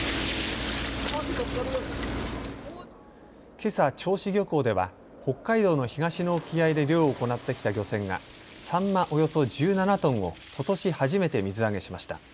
けさ、銚子漁港では北海道の東の沖合で漁を行ってきた漁船がサンマおよそ１７トンをことし初めて水揚げしました。